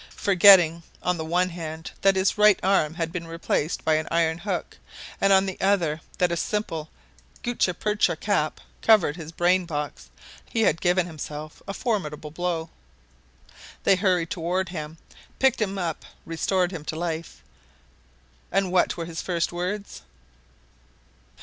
Forgetting on the one hand that his right arm had been replaced by an iron hook, and on the other that a simple gutta percha cap covered his brain box, he had given himself a formidable blow. They hurried toward him, picked him up, restored him to life. And what were his first words?